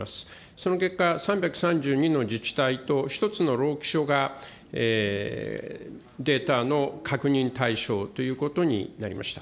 その結果、３３２の自治体と１つの労基署がデータの確認対象ということになりました。